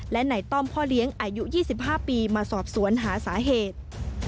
และในต้อมพ่อเลี้ยงอายุ๒๕ปีมาสอบสวนหาสาเหตุ